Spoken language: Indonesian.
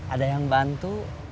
ada yang bantu